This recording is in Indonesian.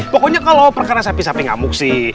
pokoknya kalau perkara sapi sapi ngamuk sih